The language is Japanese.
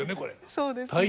そうですね。